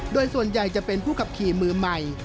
โดยส่วนใหญ่จะเป็นผู้ขับขี่มือใหม่